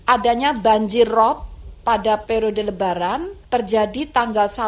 adanya banjir rob pada periode lebaran terjadi tanggal satu